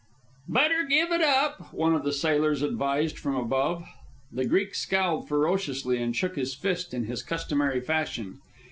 "Better give it up," one of the sailors advised from above. The Greek scowled ferociously and shook his fist in his customary fashion.